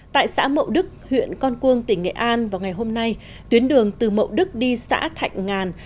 tại xã mậu đức huyện con cuông tỉnh nghệ an vào ngày hôm nay tuyến đường từ mậu đức đi xã thạnh ngàn